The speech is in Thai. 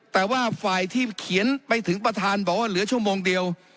แต่ว่าฝ่ายที่เขียนไปถึงประธานบอกว่าเหลือชั่วโมงเดียว